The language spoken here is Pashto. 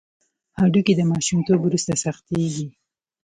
هډوکي د ماشومتوب وروسته سختېږي.